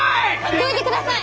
どいてください！